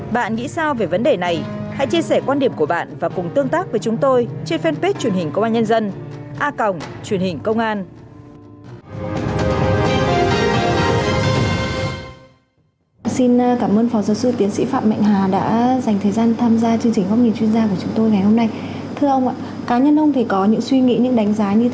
bạn nghĩ sao về vấn đề này hãy chia sẻ quan điểm của bạn và cùng tương tác với chúng tôi trên fanpage truyền hình công an nhân dân